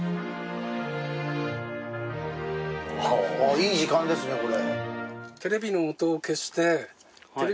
いい時間ですねこれ。